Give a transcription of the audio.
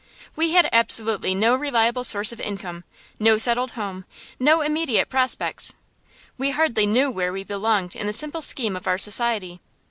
We had absolutely no reliable source of income, no settled home, no immediate prospects. We hardly knew where we belonged in the simple scheme of our society.